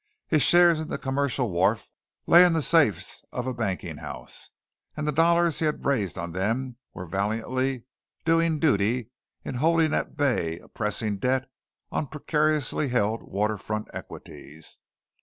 His shares in the Commercial Wharf lay in the safes of a banking house, and the dollars he had raised on them were valiantly doing duty in holding at bay a pressing debt on precariously held waterfront equities.